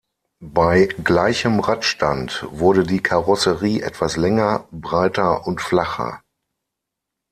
Bei gleichem Radstand wurde die Karosserie etwas länger, breiter und flacher.